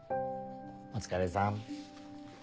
お疲れさん。